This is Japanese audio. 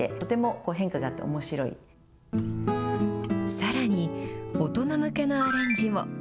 さらに大人向けのアレンジも。